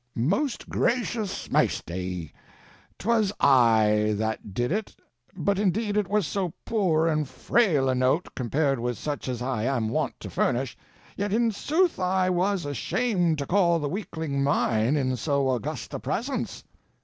Most gracious maisty, 'twas I that did it, but indeed it was so poor and frail a note, compared with such as I am wont to furnish, yt in sooth I was ashamed to call the weakling mine in so august a presence.